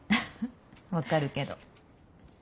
分かるけど。